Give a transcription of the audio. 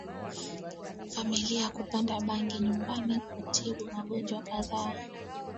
familia kupanda bangi nyumbani kutibu magonjwa kadhaa